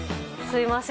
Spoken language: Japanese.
すみません。